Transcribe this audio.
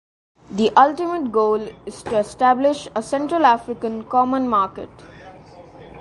The ultimate goal is to establish a Central African Common Market.